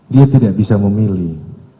dia tidak bisa memilih